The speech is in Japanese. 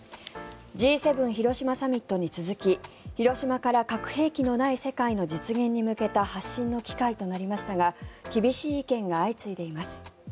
Ｇ７広島サミットに続き広島から核兵器のない世界の実現に向けた発信の機会となりましたが厳しい意見が相次いでいます。